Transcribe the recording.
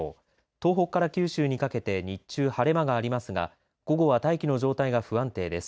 東北から九州にかけて日中晴れ間がありますが午後は大気の状態が不安定です。